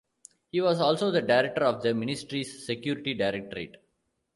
He was also the director of the ministry's security directorate.